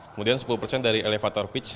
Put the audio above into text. kemudian sepuluh persen dari elevator pitch